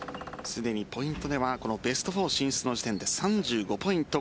すでにポイントではこのベスト４進出の時点で３５ポイント